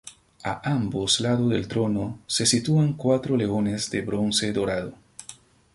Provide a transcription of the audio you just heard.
A ambos lados del trono se sitúan cuatro leones de bronce dorado.